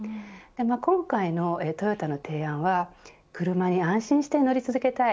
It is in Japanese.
今回のトヨタの提案は車に安心して乗り続けたい。